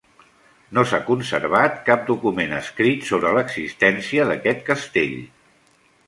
No s'ha conservat cap document escrit sobre l'existència d'aquest castell.